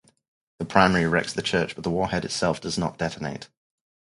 The primary wrecks the church, but the warhead itself does not detonate.